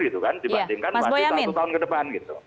dibandingkan masih satu tahun ke depan gitu